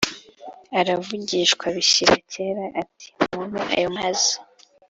Aravugishwa bishyira kera ati mume ayo mazi